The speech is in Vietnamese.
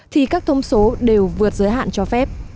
thì các thông số đều vượt giới hạn cho phép